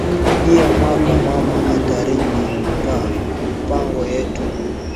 Iyi mwaka mama ata rima pa mpango yetu